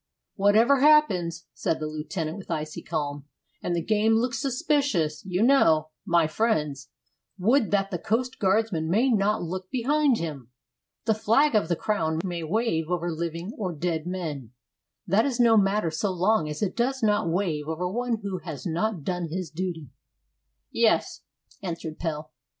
"Whatever happens," said the lieutenant, with icy calm, "and the game looks suspicious, you know, my friends, would that the coast guardsman may not look behind him! The flag of the Crown may wave over living or dead men; that is no matter so long as it does not wave over one who has not done his duty." "Yes," answered Pelle.